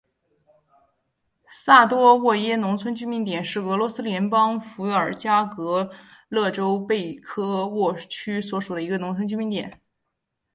萨多沃耶农村居民点是俄罗斯联邦伏尔加格勒州贝科沃区所属的一个农村居民点。